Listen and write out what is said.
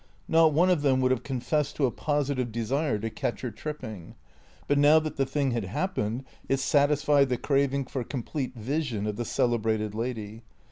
Not one of them would have confessed to a positive desire to catch her tripping. But now that the thing had happened it satisfied the craving for complete vision of the celebrated lady.